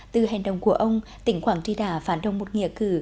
từ hành động của ông tỉnh quảng tri đã phản động một nghịa cử